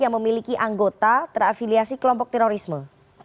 yang memiliki anggota terafiliasi kelompok terorisme